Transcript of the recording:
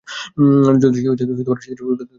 যাদৃশী ভাবনা যস্য সিদ্ধির্ভবতি তাদৃশী।